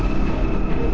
aku akan menang